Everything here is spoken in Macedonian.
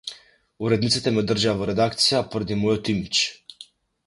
Уредниците ме држеа во редакцијата поради мојот имиџ.